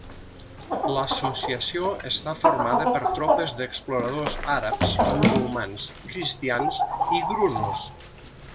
L'associació està formada per tropes d'exploradors àrabs, musulmans, cristians i drusos.